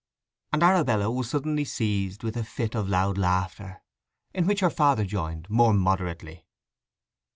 And Arabella was suddenly seized with a fit of loud laughter, in which her father joined more moderately.